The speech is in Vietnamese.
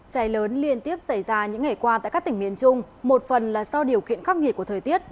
cháy lớn liên tiếp xảy ra những ngày qua tại các tỉnh miền trung một phần là do điều kiện khắc nghiệt của thời tiết